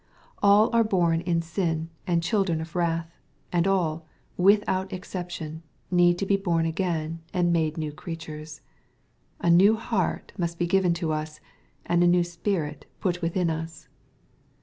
All are born in sin and children of wrath, and all, without exception, need to be boru again and made new creatures. A new heart must be given to us, and a new spirit put within us.